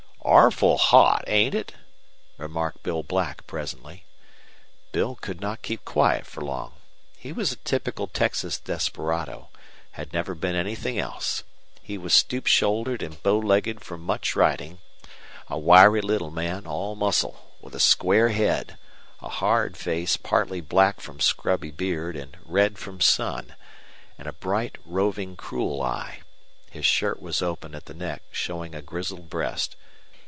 "Orful hot, ain't it?" remarked Bill Black, presently. Bill could not keep quiet for long. He was a typical Texas desperado, had never been anything else. He was stoop shouldered and bow legged from much riding; a wiry little man, all muscle, with a square head, a hard face partly black from scrubby beard and red from sun, and a bright, roving, cruel eye. His shirt was open at the neck, showing a grizzled breast.